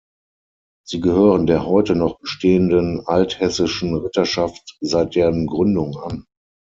Sie gehören der heute noch bestehenden Althessischen Ritterschaft seit deren Gründung an.